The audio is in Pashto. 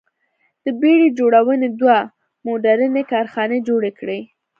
د بېړۍ جوړونې دوه موډرنې کارخانې جوړې کړې.